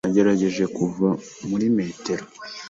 Nagerageje kuva muri metero.